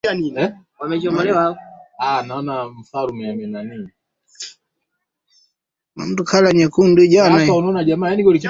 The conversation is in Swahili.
mauaji ya kimbari yalifanyika kwa akili sana